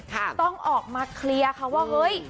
ต้องออกมาเคลียร์ค่ะว่าเฮ้ย